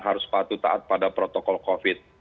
harus patuh taat pada protokol covid